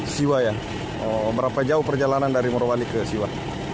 siwa ya berapa jauh perjalanan dari morowali ke siwa